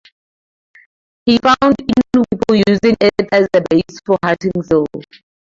He found Innu people using it as a base for hunting seal.